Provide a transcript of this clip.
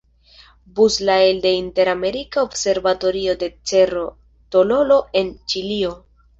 Bus la elde la Inter-Amerika observatorio de Cerro Tololo en Ĉilio.